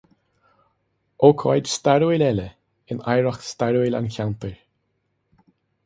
Ócáid stairiúil eile in oidhreacht stairiúil an cheantair.